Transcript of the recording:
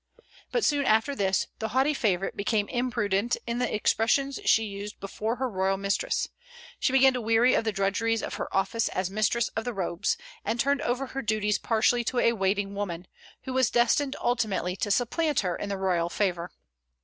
But soon after this the haughty favorite became imprudent in the expressions she used before her royal mistress; she began to weary of the drudgeries of her office as mistress of the robes, and turned over her duties partially to a waiting woman, who was destined ultimately to supplant her in the royal favor.